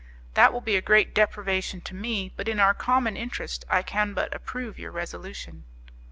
"That will be a great deprivation to me, but in our common interest I can but approve your resolution."